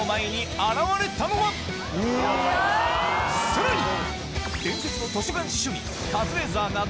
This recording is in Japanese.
さらに！